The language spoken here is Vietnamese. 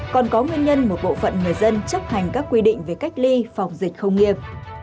còn có nguyên nhân một bộ phận người dân chấp hành các quy định về cách ly phòng dịch không nghiêm